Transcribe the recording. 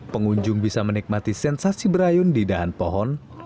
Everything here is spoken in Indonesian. pengunjung bisa menikmati sensasi berayun di dahan pohon